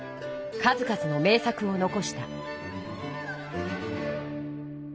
数々の名作をのこした。